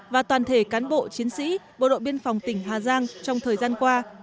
và toàn thể cán bộ chiến sĩ bộ đội biên phòng tỉnh hà giang trong thời gian qua